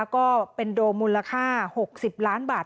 ก็เป็นโดมมูลค่า๖๐ล้านบาท